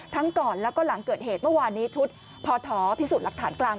ก่อนแล้วก็หลังเกิดเหตุเมื่อวานนี้ชุดพอท้อพิสูจน์หลักฐานกลาง